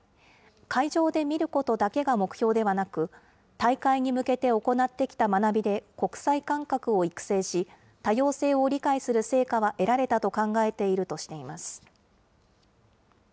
会場で見ることだけが目標ではなく、大会に向けて行ってきた学びで国際感覚を育成し、多様性を理解する成果は得られたと考えているとしています。